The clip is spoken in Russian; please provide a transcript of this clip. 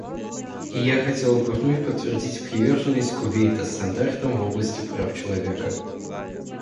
И я хотела бы вновь подтвердить приверженность Кувейта стандартам в области прав человека.